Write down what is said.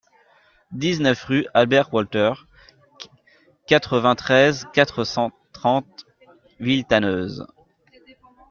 dix-neuf rue Albert Walter, quatre-vingt-treize, quatre cent trente, Villetaneuse